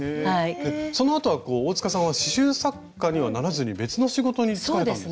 そのあとは大さんは刺しゅう作家にはならずに別の仕事に就かれたんですか？